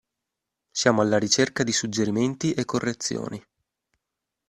Siamo alla ricerca di suggerimenti e correzioni.